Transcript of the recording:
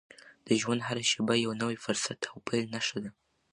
د ژوند هره شېبه د یو نوي فرصت او پیل نښه ده.